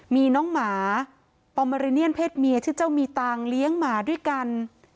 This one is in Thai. มีน้องหมาปอเมริเนียนเพศเมียชื่อเจ้ามีตังค์เลี้ยงหมาด้วยกัน